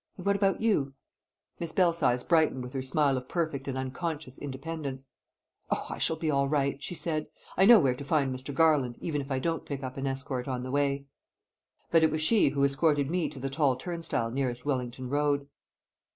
"And what about you?" Miss Belsize brightened with her smile of perfect and unconscious independence. "Oh, I shall be all right," she said. "I know where to find Mr. Garland, even if I don't pick up an escort on the way." But it was she who escorted me to the tall turnstile nearest Wellington Road.